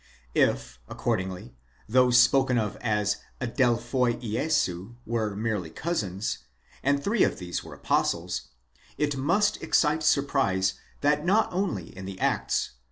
If, accordingly, those spoken of as ἀδελφοὶ Ἰησοῦ were merely cousins, and three of these were apostles, it must excite surprise that not only in the Acts (i.